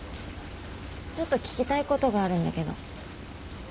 ちょっと聞きたいことがあるんだけど。